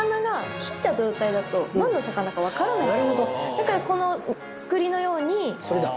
だからこの造りのように。